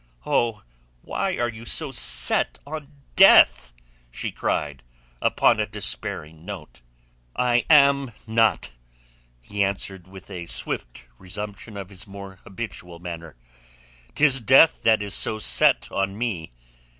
"Oh, why are you so set on death?" she cried upon a despairing note. "I am not," he answered with a swift resumption of his more habitual manner. "'Tis death that is so set on me.